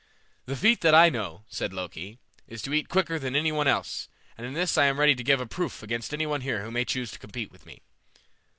"The feat that I know," said Loki, "is to eat quicker than any one else, and in this I am ready to give a proof against any one here who may choose to compete with me."